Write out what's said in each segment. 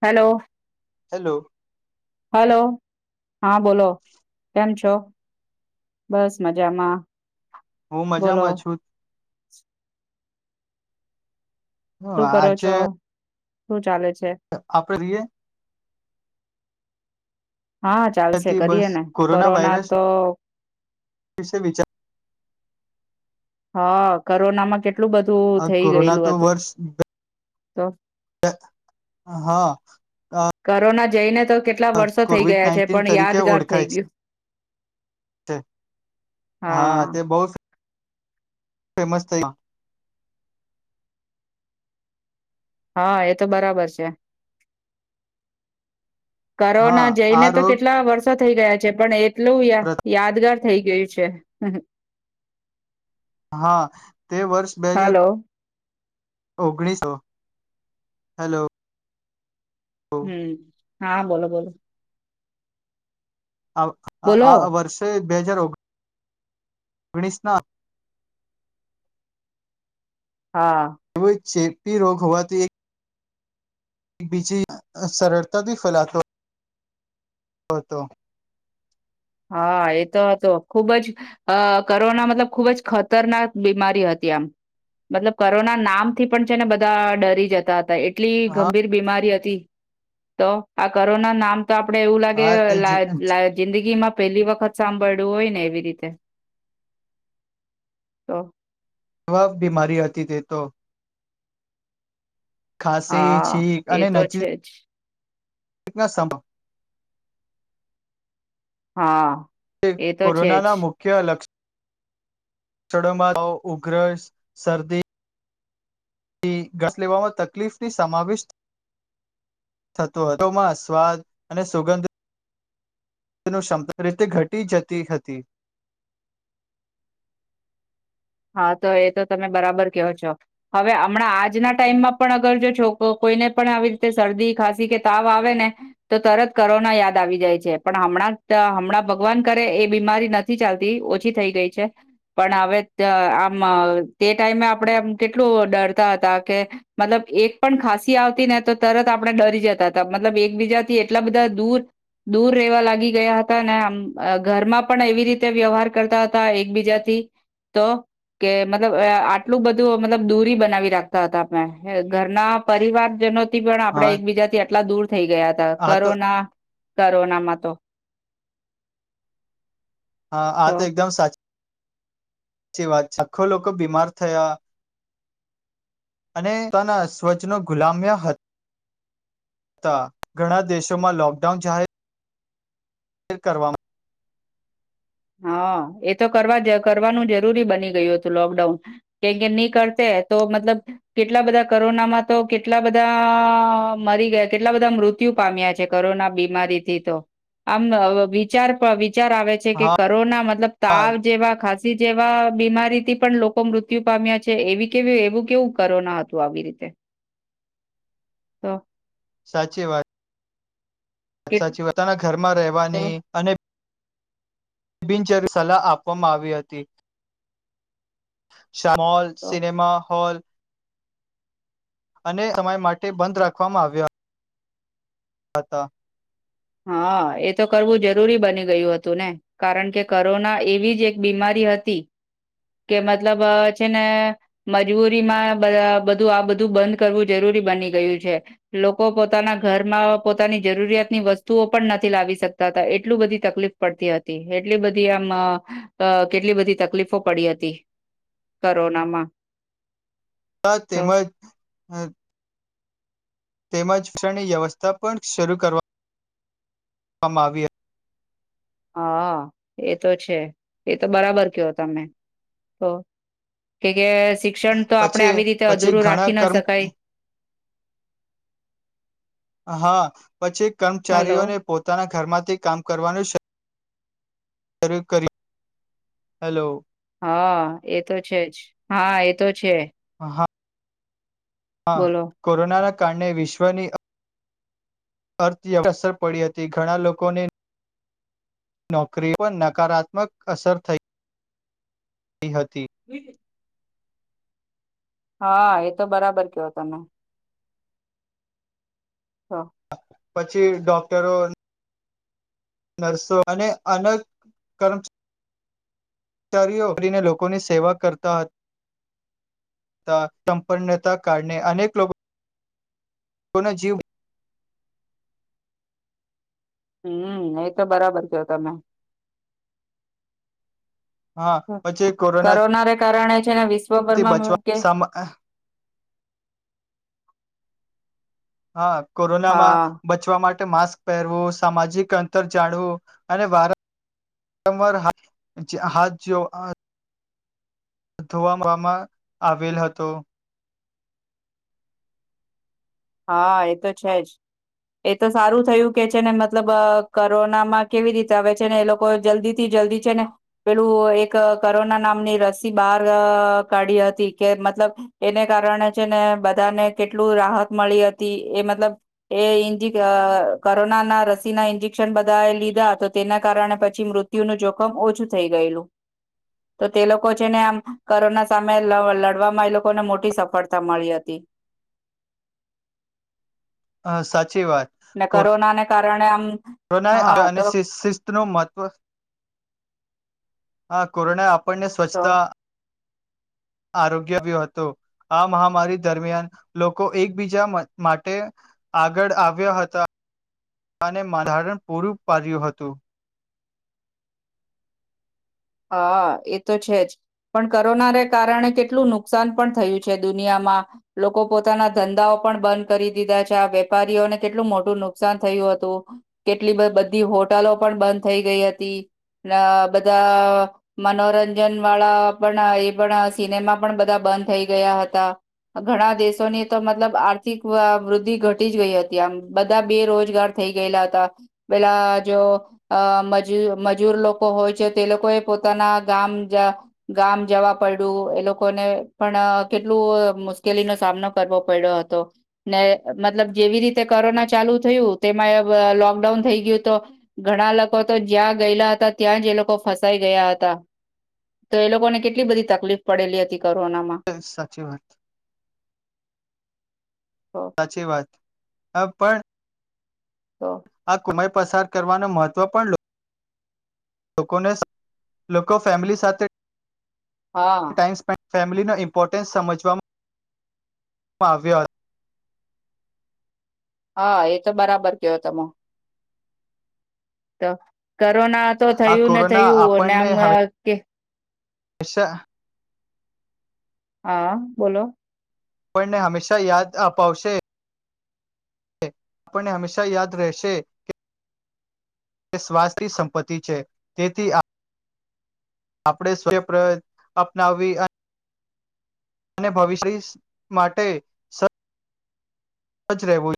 Hello. Hello. Hello, હા, બોલો. કેમ છો? બસ મજામાં. હું બોલો મજામાં છું. હં શું કરો આજે છો શું ચાલે છે આપણે રીએ હા, ચાલશે બસ કરીએ ને કોરોના તો વિસે વિચાર હા, કરોનામાં કે ટલું બધું થઇ કોરોના ગયેલું તો હતું. વર્ષ તો [inaudible] હા, અ કોરોના જઈને તો કેટલા વર્ષો થઈ ગયા છે. પણ યાદગાર થઈ ગ્યું. તે હા તે બહુ ફેમસ થઈ હા એ તો બરાબર છે. હા કરોના આ જઈને તો રોગ કેટલા વર્ષો તો થઈ ગયા છે પણ એક એટલું યા યાદગાર થઈ ગયું છે હુહ હુહ હા તે વર્ષ બે હજાર હલો ઓગણીસો હલોવ હુમ હા બોલો બોલો આ આ બોલો આ વર્ષે જ બે હજાર ઓગ ઓગણીસના હા [inaudible] પી રોગ હોવાથી એક બીજી સરળતાથી ફેલાતો હતો હા એતો હતો. ખુબ જ અ કરોના મતલબ ખુબ જ ખતરનાક બીમારી હતી આમ મતલબ કરોના નામથી પણ છે ને બધા ડરી જતા તા એટ એટલી હા ગંભીર બીમારી હતી. તો આ કરોના નામ તો આપડે એવું લાગે હા તે લાય લાય જિંદગીમાં પેલી વખત સાંભળ્યું હોય ને એવી રીતે એવી બીમારી હતી તે તો ખાંસી, હા છીંક એ અને તો નજરે છે જ. [inaudible] હા એ તો છે જ. કોરોનાના મુખ્ય લક્ષણ લક્ષણોમાં ઉઘ્ર શરદી થી શ્વાસ લેવામાં તકલીફની સમાવિષ થતો હતોમાં સ્વાદ અને સુગંધ ક્ષમતા રીતે ઘટી જતી હતી. હા તો એ તો તમે બરાબર કયો છો. હવે હમણાં આજના ટાઈમમાં પણ અગર જો છોક કોઈને પણ આવી રીતે શરદી, ખાંસી કે તાવ આવે ને તો તરત કરોના યાદ આવી જાય છે. પણ હમણાં હમણાં ભગવાન કરે એ બીમારી નથી ચાલતી ઓછી થઈ ગઈ છે. પણ હવે આમ તે ટાઈમે આપણેે આમ કેટલું ડરતા હતા કે મતલબ એક પણ ખાંસી આવતી ને તો તરત આપણે ડરી જતા તા. મતલબ એકબીજાથી એટલા બધા દૂર દૂર રહેવા લાગી ગયા હતા ને આમ ઘરમાં પણ એવી રીતે વ્યવહાર કરતા હતા એકબીજાથી -' તો કે મતલબ આટલું બધું મતલબ દૂરી બનાવી રાખતા હતા ઘરના પરિવારજનો થી પણ આપણે હા એકબીજાથી અટલા દૂર થઈ ગયાતા આ તો કરોના કરોનામાં તો હા આ તો એકદમ સાચી -' ચી વાત છે, છાકો લોકો બીમાર થયા. અને પોતાના સ્વચનો ગુલામ્યા હ તા, ઘણા દેશોમાં લોકડાઉન જાહે ર કરવામાં હા, એતો કરવા દે કરવાનું જરૂરી બની ગયું હતું લોકડાઉન, કેમ કે નહી કરતે તો મતલબ કેટલા બધા કરોનામાં તો કેટલા બધા મરી ગયા કેટલા બધા મૃત્યુ પામ્યા છે કરોના બીમારીથી તો, આમ વિચાર વિ ચાર આવે છે કે હા કરોના મતલબ તાવ જેવા ખાંસી જેવા બીમારીથી પણ લોકો મૃત્યુ પામ્યા છે, એવી કેવી એવું કેવું કરોના હતું આવી રીતે, તો. સાચી વાત. કે સાચી વાત, [unintelligible] ઘર માં રેહવાની અને બિનચરી સલાહ આપવામાં આવી હતી. [inaudible] શમૉલ, સિનેમાહૉલ અને સમય માટે બંધ રાખવામાં આવ્યો હતા. હા, એ તો કરવું જરૂરી બની ગયું હતું ને, કારણ કે કરોના એવી જ એક બીમારી હતી, કે મતલબ છે ને મજબૂરીમાં બધા બધું આ બધું બંધ કરવું જરૂરી બની ગયું છે, લોકો પોતાના ઘરમાં પોતાની જરૂરિયાતની વસ્ તુંઓ પણ નથી લાવી શકતા તા, એટલું બધી તકલીફ પડતી હતી, એટલી બધી અમ અ કેટલી બધી તકલીફો પડી હતી, કરોનામાં. તેમજ હ તેમજ [unintelligible] ની વ્યવસ્થા પણ શરૂ કરવામાં આવી હ હા, એ તો છે, એ તો બરાબર ક્યો તમે, તો કે કે શિ ક્ષણ તો હતી. આપણે પછી આવી રીતે પછી અધૂરું ઘણા રાખી ન કર્મ શકાય. હા. પછી હલો કર્મચારીઓને પોતાના ઘરમાંથી કામ કરવાનું શ રુ કર્યું, હેલો. હા એ તો છે જ, હા એ તો છે. હા હા, બોલો કોરોના ના કારણે વિશ્વની અર્થ્ય [unintelligible] અસર પડી હતી, ઘણા લોકોની નોકરી પર નકારાત્મક અસર થઈ હતી. હા, એ તો બરાબર ક્યો તમે. હ. પછી ડોક્ટરો નર્સો અને અન કરમ ચારીઓ [unintelligible] રીને લોકોની સેવા કરતા હતા, સંપન્નતા કારણે અનેક લો કોનો જીવ હમ્મ, એ તો બરાબર ક્યો તમે. હા, પછી એ કોરોના કોરોનાને કારણે છે ને વિસ્ વિશ્વભર્મા કે હા. કોરોનામાં હા બચવા માટ માસ્ક પહેરવું, સામાજિક અંતર જાણવું, અને વાર રંવાર હાથ હાથ જોઅ ધોવામાં મા આવેલ હતો હા એતો છે જ. એ તો સારું થયું કે છે ને મતલબ અ કરોનામાં કેવી રીતે આવે છે ને, એ લોકો જલ્દી થી જલ્દી છે ને પેલું એક કરોના નામની રસી બહાર અ કાઢી હતી. કે મતલબ એને કારણે છે ને બધાને કેટલું રાહત મળી હતી. એ મતલબ એ એનથી ક કોરોનાના રસીના ઇન્જેક્શન બધા એ લીધા તો તેના કારણે પછી મૃત્યુનું જોખમ ઓછું થઈ ગયેલું. તો તે લોકો છે ને આમ કોરોના સામે લઅ લડવામાં એ લોકોને મોટી સફળતા મળી હતી. અ સાચ ને કોરોના ને કારણે આમ પ્રનાય હા આપે અને તો શીશ શિસ્તનું મહત્ત્વ હા કોરોના આ આપણને તો સ્વચ્છતા આરોગ્ય્યો બી હતો. આ મહામારી દરમિયાન લોકો એકબીજા મા માટે આગળ આવ્યા હતાં. અને માધારણ પૂરું પાડ્યું હતું. હા એ તો છેજ. પણ કોરોનાને કારણે કેટલું નુકસાન પણ થયું છે દુનિયામાં. લોકો પોતાના ધંધાઓ પણ બંધ કરી દીધા છે. આ વેપારીઓને કેટલું મોટું નુકસાન થયું હતું. કેટલી બ બધી હોટલો પણ બંધ થઈ ગઈ હતી. ને બધા કો મનોરંજન વાળા પણ એ પણ સિનેમા પણ બધા બંધ થઈ ગયા હતા. ઘણા દેશોની તો મતલબ આર્થિક વ વૃદ્ધિ ઘટી જ ગઈ હતી. આમ બધા બેરોજગાર થઈ ગયેલા હતા. પેલા જો અ મજૂર લોકો હોય છે તે લોકોએ પોતાના ગામ જ ગામ જવા પડ્યું. એ લોકોને પણ અ કેટલું અ મુશ્કેલીનો સામનો કરવો પડ્યો હતો. ને મતલબ જેવી રીતે કોરોના ચાલુ થયું, તેમાં એવ લોકડાઉન થઈ ગયું, તો ઘણા લોકો તો જ્યાં ગયેલા હતા ત્યાં જ એ લોકો ફસ સાઇ ગયા હતા. તો એ લોકોને કેટલી બધી તકલીફ પડેલી હતી. કોરોનામાં એમ સાચી વાત. તો સાચી વાત. હ પણ તો. આ કુમાઈ પસાર કરવાનું મહત્વ પણ લો લોકોને સ લોકો ફેમિલી સાથે હા. ટાઈમ સ્પેન્ડ ફેમિલીનો ઇમ્પોર્ટન્સ સમજવામાં આવ્યા હ હા એ તો બરાબર કયો તમે તો કર કોરોના તો હતો આ થયું ને કોરોના થયું અને આપણને આમ અ કે [unintelligible] હા, બોલો. આપણને હંમેશા યાદ અપાવશે આપણને હંમેશા યાદ રહેશે. કે કે સ્વાસ્થ સંપત્તિ છે. તેથી આ આપણેે સૂર્યપ અપનાવવી અને ભવિષ્યસ માટે સ સચ રહેવુ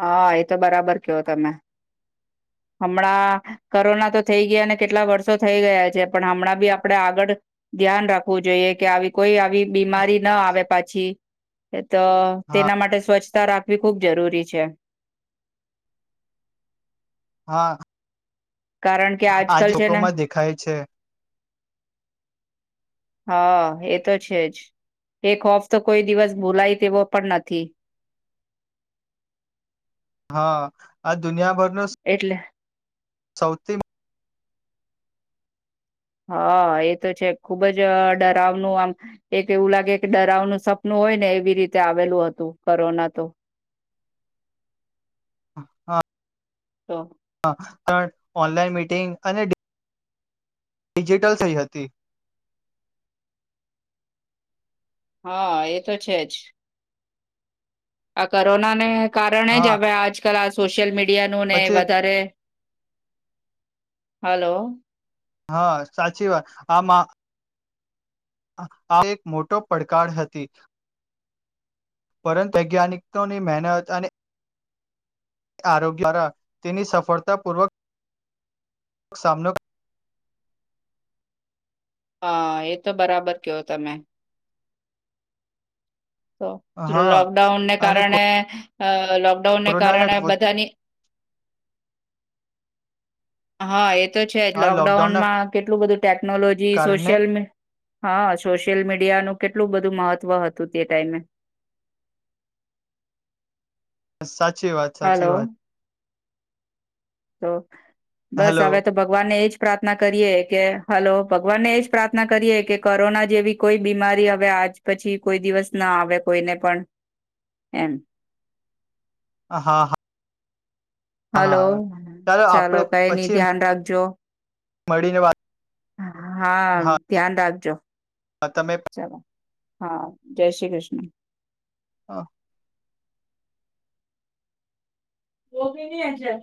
હા એતો બરાબર કેઓ તમે. હમણાં કોરોના તો થઈ ગયા અને કેટલા વર્ષો થઈ ગયા છે. પણ હમણાં બી આપડે આગળ ધ્યાન રાખવું જોઈએ, કે આવી કોઈ આવી બીમારી ના આવે પછી એ તો હા તેના માટે સ્વચ્છ રાખવી ખુબ જરૂરી છે છે હા કારણ કે આજે આજકાલ છે ને લોકોમાં દેખાય છે હા એ તો છે જ એક ખોફ કોઈ દિવસ ભૂલાય તેવો પણ નથી હા દુનિયાભરનો એટલે સૌથી હા એ તો છે ખુબ જ ડરાવનું આમ એક એવું લાગે કે ડરાવનું સપનું હોય ને એવી રીતે આવેલું હતું કોરોના તો હા તો હા ઓનલાઈન મિટિંગ અને ડિજિટલ થઈ હતી હા એ તો છે જ આ કોરોના ને કારણ હા હવે આજકલ આ સોશિયલ મિડિયા મિડિયા નું ને પછી વધારે હલો હા સાચી વાત આમા આ એક મોટો પડકાર હતી પરંતુ વૈજ્ઞાનિકોની મહેનત અને આરોગ્ય દ્વારા તેની સફળતાપૂર્વક સામનો હા એ તો બરાબર કયો તમે તો હા લોકડાઉન ને અને કારણે હા લોકડાઉનને કોરોના કારણે બધાની હા એ છે લોકડાઉન માં કેટલું બધું ટેકનોલોજી કારણે સોશિયલ હા સોશિયલ મીડિયાનું કેટલું બધું મહત્ત્વ હતું તે ટાઈમે સાચે સાચી વાત સાચી હલો વાત તો બસ હેલો હવે તો ભગવાનને એજ પ્રાર્થના કરીએ કે હલો ભગવાનને એજ પ્રાર્થના કરીએ કે કોરોના જેવી કોઈ બીમારી હવે આજ પછી કોઈ દિવસ ના આવે કોઈને પણ એમ હા હા હલો ચાલો કઈ નઈ ધ્યાન રાખજો મળી ને વાત હા ધ્યાન રાખજો તમે ચાલો હા જય શ્રી કૃષ્ણ [inaudible] વોગી ની અજર